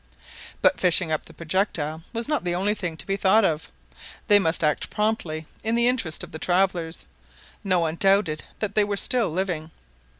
But fishing up the projectile was not the only thing to be thought of. They must act promptly in the interest of the travelers. No one doubted that they were still living.